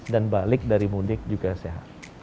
dan balik dari mudik juga sehat